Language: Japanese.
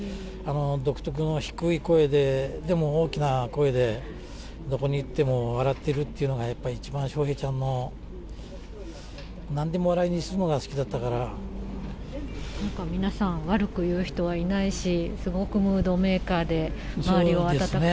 独特の低い声で、でも大きな声で、どこに行っても笑ってるっていうのが一番、笑瓶ちゃんもなんでもなんか皆さん、悪く言う人はいないし、すごくムードメーカーで、周りを温かく。